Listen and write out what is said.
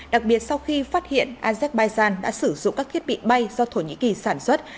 đặc biệt sau khi phát hiện azerbaijan đã sử dụng các thiết bị bay do thổ nhĩ kỳ sản xuất